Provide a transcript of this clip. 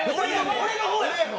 俺の方やろ？